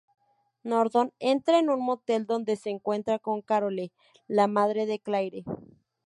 Norton entra en un motel donde se encuentra con Carole, la madre de Claire.